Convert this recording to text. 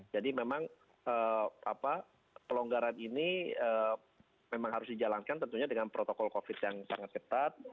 jadi memang pelonggaran ini memang harus dijalankan tentunya dengan protokol covid yang sangat ketat